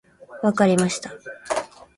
分かりました。